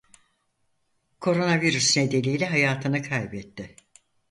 Koronavirüs nedeniyle hayatını kaybetti.